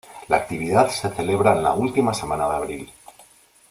La actividad se celebra en la última semana de abril.